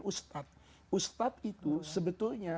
ustadz itu sebetulnya